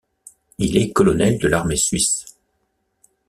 Il est colonel de l'armée suisse.